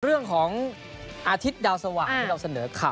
เรื่องของอาทิตย์ดาวสว่างที่เราเสนอข่าว